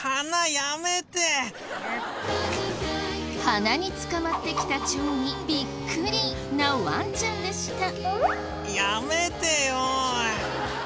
鼻につかまってきたチョウにビックリなワンちゃんでした。